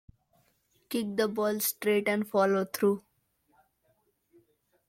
Kick the ball straight and follow through.